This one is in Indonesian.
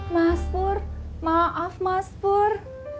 mas pur maaf mas pur